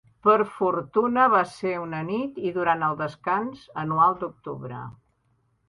Per fortuna, va ser una nit i durant el descans anual d'octubre.